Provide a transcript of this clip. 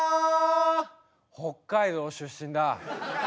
北海道出身だ。